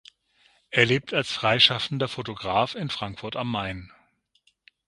Er lebt als freischaffender Fotograf in Frankfurt am Main.